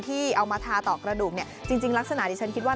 ที่เอามาทาต่อกระดูกเนี่ยจริงลักษณะที่ฉันคิดว่า